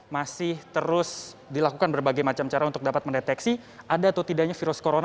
masih terus dilakukan berbagai macam cara untuk dapat mendeteksi ada atau tidaknya virus corona